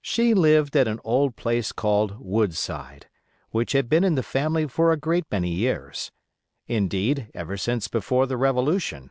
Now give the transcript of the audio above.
She lived at an old place called "Woodside", which had been in the family for a great many years; indeed, ever since before the Revolution.